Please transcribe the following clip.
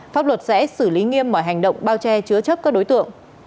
pháp luật sẽ xử lý nghiêm mọi hành động bao che chứa chấp các đối tượng